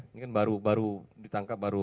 ini kan baru baru ditangkap baru